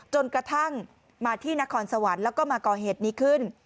จนกระทั่งมาที่นครสวรรค์แล้วก็มาก่อเหตุนี้ขึ้น